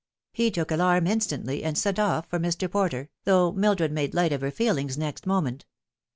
He took alarm instantly, and sent off for Mr. Porter, though Mildred made light of her feelings next moment.